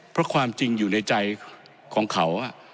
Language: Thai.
เพราะความจริงอยู่ในใจของเขา